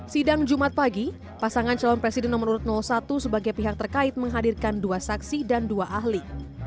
sidang jumat pagi pasangan calon presiden nomor urut satu sebagai pihak terkait menghadirkan dua saksi dan dua ahli